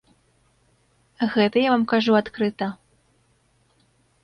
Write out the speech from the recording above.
Гэта я вам кажу адкрыта.